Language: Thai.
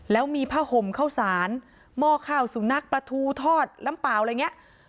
แล้วมีผ้าห่มข้าวสารหม้อข้าวสุนัขปลาทูทอดน้ำเปล่าอะไรอย่างนี้